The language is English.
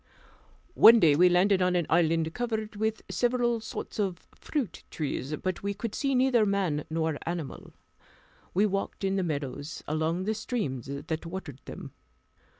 One day we landed on an island covered with several sorts of fruit trees, but we could see neither man nor animal. We walked in the meadows, along the streams that watered them.